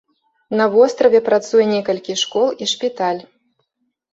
На востраве працуе некалькі школ і шпіталь.